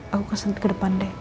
aku konsent ke depan deh